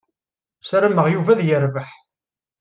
Ssarameɣ Yuba ad yerbeḥ.